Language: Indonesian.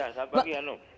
selamat pagi hanum